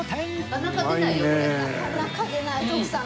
なかなか出ない徳さん